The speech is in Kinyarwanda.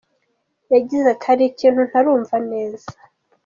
Yagize ati “Hari ikintu ntarumva neza.